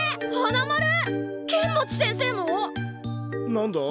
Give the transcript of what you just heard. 何だ？